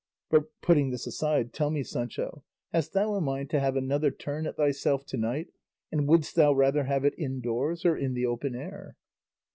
But, putting this aside, tell me, Sancho, hast thou a mind to have another turn at thyself to night, and wouldst thou rather have it indoors or in the open air?"